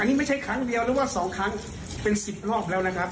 นี่ไม่ใช่ครั้งเดียวหรือว่า๒ครั้งเป็น๑๐รอบแล้วนะครับ